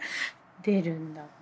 出るんだな。